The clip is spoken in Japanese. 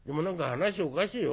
話おかしいよ。